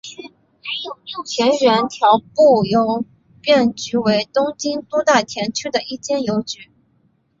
田园调布邮便局为东京都大田区的一间邮局。